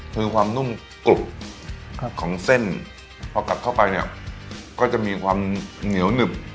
คือความนุ่มกรุบของเส้นพอกลับเข้าไปเนี่ยก็จะมีความเหนียวหนึบ